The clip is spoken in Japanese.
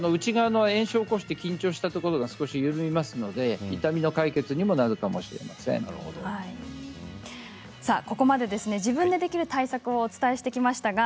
炎症したところが緩みますので痛みの解決にもここまで自分でできる対策をお伝えしてきました。